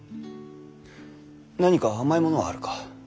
何か甘いものはあるか？